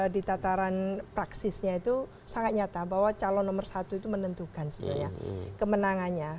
di tataran praksisnya itu sangat nyata bahwa calon nomor satu itu menentukan sebenarnya kemenangannya